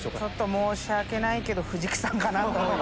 申し訳ないけど藤木さんかなと。